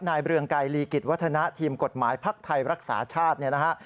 เรืองไกรลีกิจวัฒนะทีมกฎหมายภักดิ์ไทยรักษาชาติเนี่ยนะฮะ